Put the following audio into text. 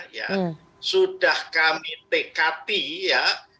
ya sudah kami tekati ya